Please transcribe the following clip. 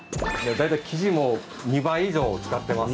大体生地も２倍以上使ってますので。